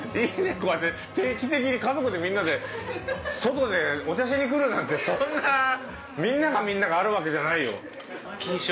いいねこうやって定期的に家族でみんなで外でお茶しに来るなんてそんなみんながみんながあるわけじゃないよ。